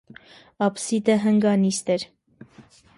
Աբսիդը հնգանիստ էր։